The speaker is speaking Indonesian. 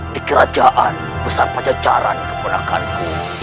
di kerajaan besar pajajaran keponakanku